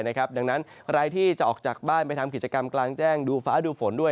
ดังนั้นใครที่จะออกจากบ้านไปทำกิจกรรมกลางแจ้งดูฟ้าดูฝนด้วย